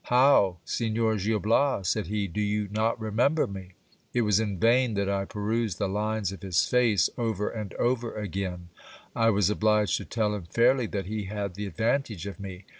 How ! Signor Gil Bias ? said he, do you not remember me ? It was in vain that I perused the lines of his face over and over again ; I was obliged to tell him fairly that he had the advantage of me.